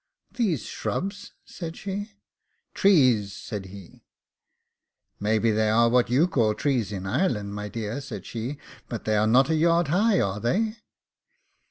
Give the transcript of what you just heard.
'These shrubs?' said she. 'Trees,' said he. 'Maybe they are what you call trees in Ireland, my dear,' said she; 'but they are not a yard high, are they?